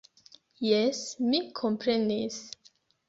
Jes, mi komprenis.